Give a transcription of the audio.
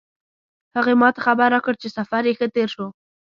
هغې ما ته خبر راکړ چې سفر یې ښه تیر شو